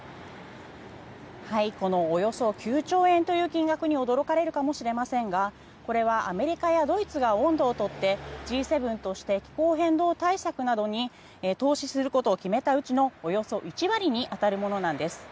このおよそ９兆円という金額に驚かれるかもしれませんがこれはアメリカやドイツが音頭を取ってＧ７として気候変動対策などに投資することを決めたうちのおよそ１割に当たるものなんです。